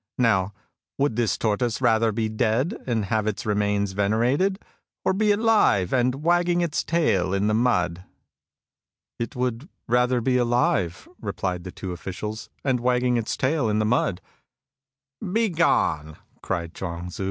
Now would this tortoise rather be dead and have its remains venerated, or be alive and wagging its tail in the mud ?"" It would rather be alive," replied the two officials, " and wagging its tail in the mud." " Begone !" cried ^luang Tzu.